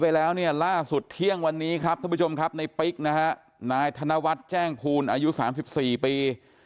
ไปแล้วเนี่ยล่าสุดเที่ยงวันนี้ครับท่านผู้ชมครับในปิ๊กนะฮะนายธนวัฒน์แจ้งภูลอายุ๓๔ปี